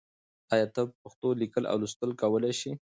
آیا ته په پښتو لیکل او لوستل کولای شې؟